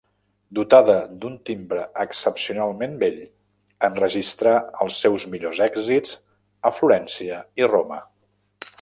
Dotada d'un timbre excepcionalment bell, enregistrà els seus millors èxits a Florència i Roma.